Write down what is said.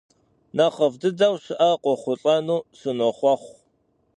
Нэхъыфӏ дыдэу щыӏэр къохъулӏэну сынохъуэхъу.